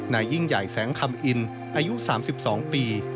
นายยิ่งใหญ่แสงคำอินอายุ๓๒ปี